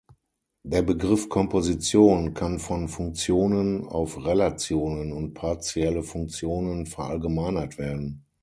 Der Begriff Komposition kann von Funktionen auf Relationen und partielle Funktionen verallgemeinert werden.